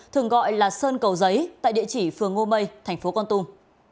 thường gọi là sơn cầu giấy tại địa chỉ phường ngô mây thành phố con tum